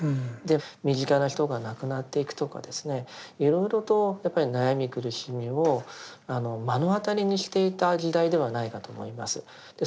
身近な人が亡くなっていくとかですねいろいろとやっぱり悩み苦しみを目の当たりにしていた時代ではないかと思います。